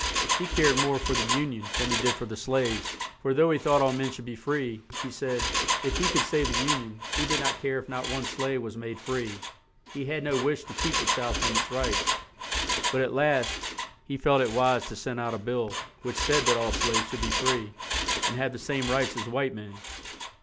He cared more for the Un ion than he did for the slaves; for, though he thought all men should be free, he said, if he could save the Un ion, he did not care if not one slave was made free; he had no wish to keep the South from its rights; but, at last, he felt it wise to send out a bill, which said that all the slaves should be free, and have the same rights as white men.